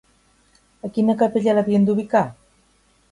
A quina capella l'havien d'ubicar?